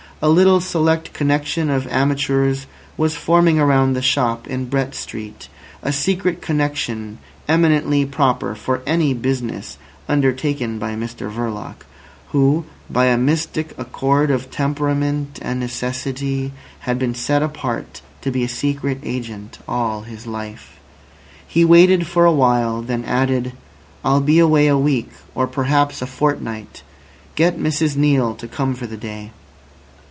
A little select connection of amateurs was forming around the shop in Brett Street, a secret connection eminently proper for any business undertaken by Mr Verloc, who, by a mystic accord of temperament and necessity, had been set apart to be a secret agent all his life. He waited for a while, then added: "I'll be away a week or perhaps a fortnight. Get Mrs Neale to come for the day."